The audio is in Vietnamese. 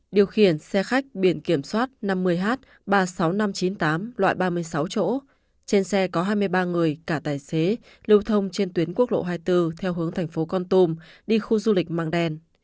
điều khiển xe khách biển kiểm soát năm mươi h ba mươi sáu nghìn năm trăm chín mươi tám loại ba mươi sáu chỗ trên xe có hai mươi ba người cả tài xế lưu thông trên tuyến quốc lộ hai mươi bốn theo hướng thành phố con tum đi khu du lịch mang đen